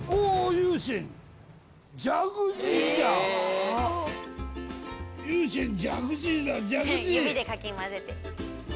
指でかき混ぜてる。